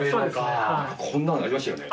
こんなのありましたよね。